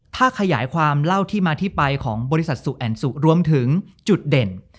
ถ้าขยายความเล่าที่มาที่ไปของบริษัทสุแอนสุรวมถึงจุดเด่น